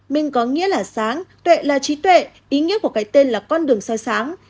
minh có nghĩa là sáng tuệ là trí tuệ ý nghĩa của cái tên là con đường soi sáng